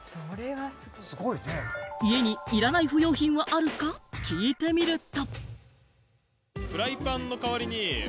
家にいらない不要品があるか聞いてみると。